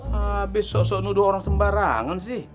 habis sok sok nuduh orang sembarangan sih